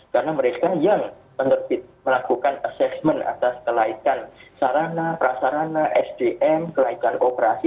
karena mereka yang melakukan assessment atas kelaikan sarana prasarana sdm kelaikan operasi